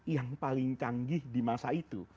yang paling canggih di masa itu